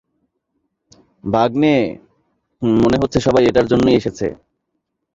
ভাগ্নে, মনে হচ্ছে সবাই এটার জন্যই এসেছে।